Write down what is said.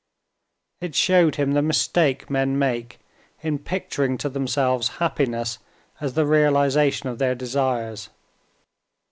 It showed him the mistake men make in picturing to themselves happiness as the realization of their desires.